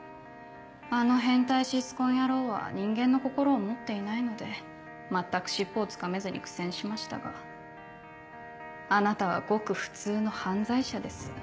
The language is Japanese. あの変態シスコン野郎は人間の心を持っていないので全く尻尾をつかめずに苦戦しましたがあなたはごく普通の犯罪者です。